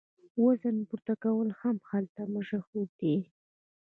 وزنه پورته کول هم هلته مشهور دي.